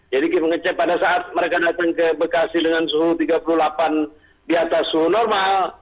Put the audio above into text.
jadi kami mengecek pada saat mereka datang ke bekasi dengan suhu tiga puluh delapan di atas suhu normal